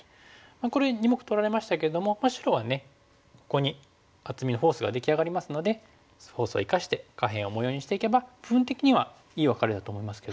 これ２目取られましたけども白はここに厚みのフォースが出来上がりますのでフォースを生かして下辺を模様にしていけば部分的にはいいワカレだと思いますけども。